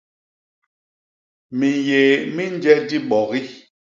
Minyéé mi nje dibogi.